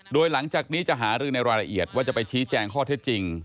โดยหลังจากนี้จะหารือในรายละเอียดว่าจะไปชี้แจงข้อเท็จจริง